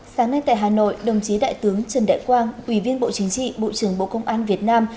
sáng nay tại hà nội đồng chí đại tướng trần đại quang ủy viên bộ chính trị bộ trưởng bộ công an việt nam